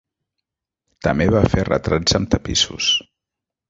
També va fer retrats amb tapissos.